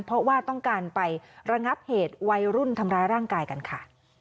เพราะว่าต้องการไประงับเหตุวัยรุ่นทำร้ายร่างกายกันค่ะ